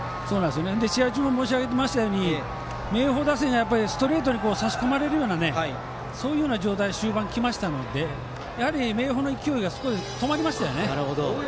試合中も申し上げましたが明豊打線がストレートに差し込まれるような状態で終盤、来ましたので明豊の勢いが少しそこで止まりましたよね。